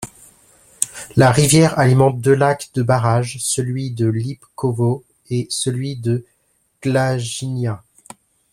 La rivière alimente deux lacs de barrage, celui de Lipkovo et celui de Glajnya.